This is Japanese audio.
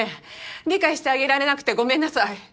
理解してあげられなくてごめんなさい。